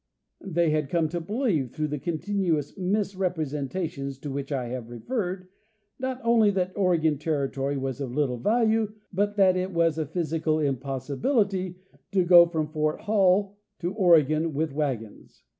They had come to believe, through the continuous misrepresentations to which I have referred, not only that Oregon territory was of little value but that it was a physical impossibility to go from Fort Hall to Oregon with wagons.